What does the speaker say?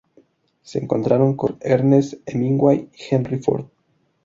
Se encontraron con Ernest Hemingway y Henry Ford.